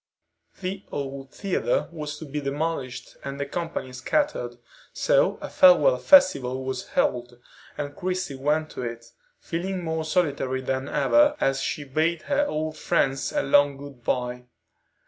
The old theatre was to be demolished and the company scattered, so a farewell festival was held, and Christie went to it, feeling more solitary than ever as she bade her old friends a long good bye.